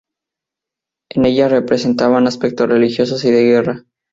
En ella representaban aspectos religiosos y de guerra.